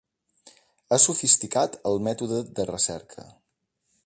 Ha sofisticat el mètode de recerca.